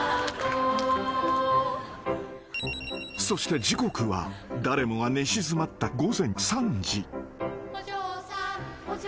［そして時刻は誰もが寝静まった］